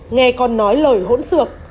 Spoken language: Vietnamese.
nghe con nói lời hỗn sược